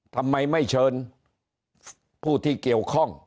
ทำไมไม่เชิญผู้ที่เกี่ยวข้อง